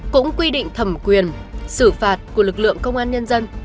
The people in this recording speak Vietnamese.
cũng quy định thẩm quyền xử phạt của lực lượng công an nhân dân